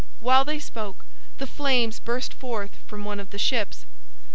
While they spoke the flames burst forth from one of the ships.